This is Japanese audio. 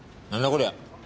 こりゃ。